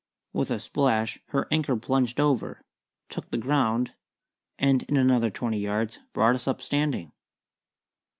With a splash her anchor plunged over, took the ground, and in another twenty yards brought us up standing.